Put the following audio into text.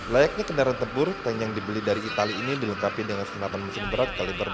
layaknya kendaraan tempur tank yang dibeli dari itali ini dilengkapi dengan senapan mesin berat kaliber dua belas tujuh mm